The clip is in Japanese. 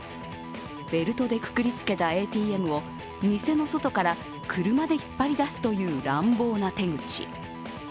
ベルトでくくりつけたＡＴＭを店の外から車で引っ張り出すという乱暴な手口。